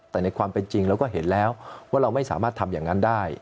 แต่ในความเป็นจริงเราก็เห็นแล้วว่าเราไม่สามารถทำอย่างนั้นได้